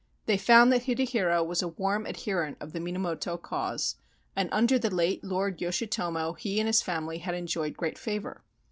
They found that Hidehira was a warm adherent of the Minamoto cause, and under the late Lord Yoshitomo he and his family had enjoyed great favor.